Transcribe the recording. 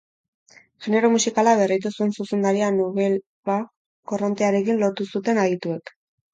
Genero musikala berritu zuen zuzendaria nouvelle vague korrontearekin lotu zuten adituek.